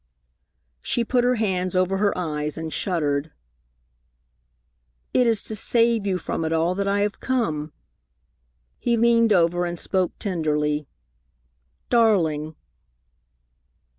She put her hands over her eyes and shuddered. "It is to save you from it all that I have come." He leaned over and spoke tenderly, "Darling!"